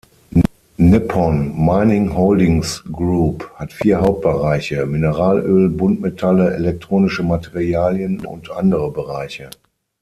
Nippon Mining Holdings Group hat vier Hauptbereiche: Mineralöl, Buntmetalle, elektronische Materialien und andere Bereiche.